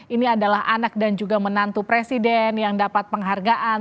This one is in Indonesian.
ini adalah anak dan juga menantu presiden yang dapat penghargaan